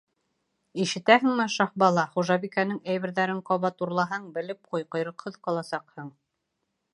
Ишетәһеңме, Шаһбала, хужабикәнең әйберҙәрен ҡабат урлаһаң, белеп ҡуй, ҡойроҡһоҙ ҡаласаҡһың!